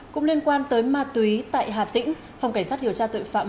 cũng liên quan tới ma túy tại hà tĩnh phòng cảnh sát điều tra tội phạm